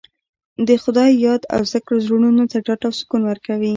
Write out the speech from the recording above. د خدای یاد او ذکر زړونو ته ډاډ او سکون ورکوي.